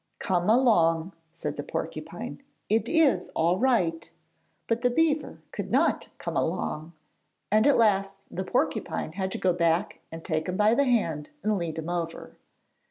'Come along,' said the porcupine, 'it is all right'; but the beaver could not 'come along,' and at last the porcupine had to go back and take him by the hand and lead him over.